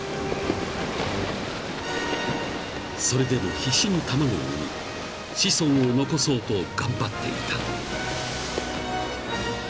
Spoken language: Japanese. ［それでも必死に卵を産み子孫を残そうと頑張っていた］